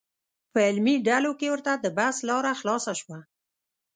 په علمي ډلو کې ورته د بحث لاره خلاصه شوه.